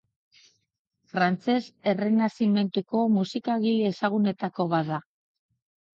Frantses Errenazimentuko musikagile ezagunenetako bat da.